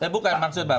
bukan maksud bapak